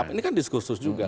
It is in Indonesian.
ini kan diskursus juga